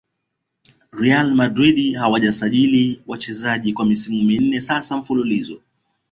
real adrid hawajasajiri wachezaji kwa misimu minne sasa mfululizo